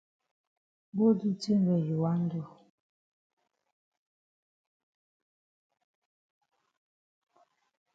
Go do tin wey you wan do.